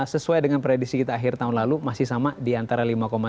sesuai dengan predisi kita akhir tahun lalu masih sama di antara lima satu sampai lima dua